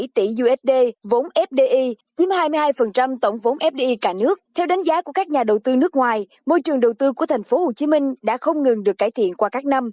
theo đánh giá của các nhà đầu tư nước ngoài môi trường đầu tư của thành phố hồ chí minh đã không ngừng được cải thiện qua các năm